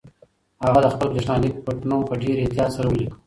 هغه د خپل برېښنالیک پټنوم په ډېر احتیاط سره ولیکه.